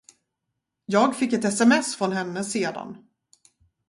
Jag fick ett sms från henne sedan.